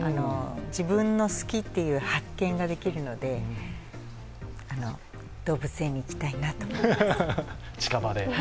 自分の好きっていう発見ができるので、動物園に行きたいなと思います。